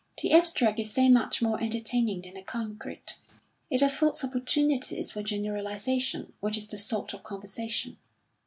The abstract is so much more entertaining than the concrete. It affords opportunities for generalisation, which is the salt of conversation."